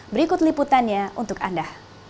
berikut liputannya untuk anda